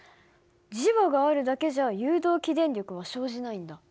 磁場があるだけじゃ誘導起電力は生じないんだ。